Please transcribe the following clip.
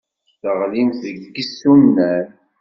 Teɣlimt deg yisunan.